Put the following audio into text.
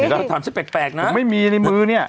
คุณไม่มีในมือเนี่ย